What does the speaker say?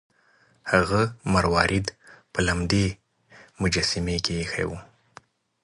هغه مروارید په لمدې مجسمې کې ایښی و.